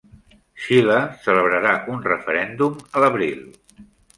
Xile celebrarà un referèndum a l'abril